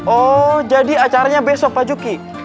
oh jadi acaranya besok pak juki